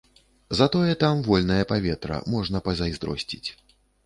Затое там вольнае паветра, можна пазайздросціць.